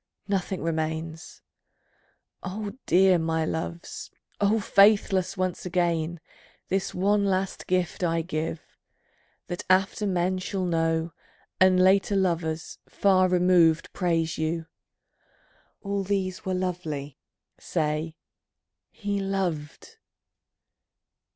Nothing remains. O dear my loves, O faithless, once again This one last gift I give: that after men Shall know, and later lovers, far removed, Praise you, "All these were lovely"; say, "He loved."